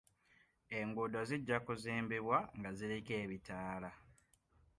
Enguudo zijja kuzimbibwa nga ziriko ebitaala.